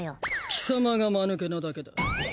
貴様がマヌケなだけだ。